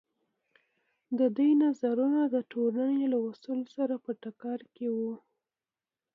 د دوی نظرونه د ټولنې له اصولو سره په ټکر کې وو.